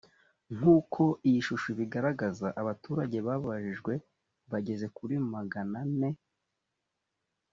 nk uko iyi shusho ibigaragaza abaturage babajijwe bageze kuri magana ane